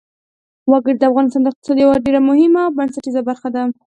وګړي د افغانستان د اقتصاد یوه ډېره مهمه او بنسټیزه برخه ده.